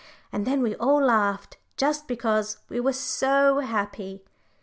And then we all laughed just because we were so happy.